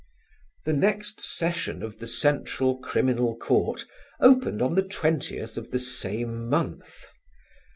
The next session of the Central Criminal Court opened on the 20th of the same month.